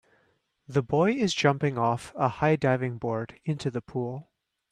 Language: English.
The boy is jumping off a high diving board into the pool.